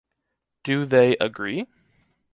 Do they agree?